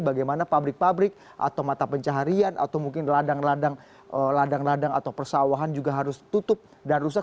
bagaimana pabrik pabrik atau mata pencaharian atau mungkin ladang ladang atau persawahan juga harus tutup dan rusak